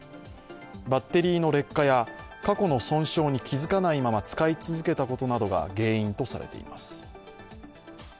バッテリーの劣化や過去の損傷に気付かないまま使い続けたことなどが原因とされています。